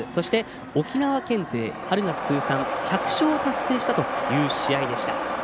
沖縄県勢、春夏通算１００勝を達成した試合でした。